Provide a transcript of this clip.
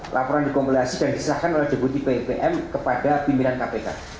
laporan dikomulasi dan diserahkan oleh deputi pipm kepada pimpinan kpk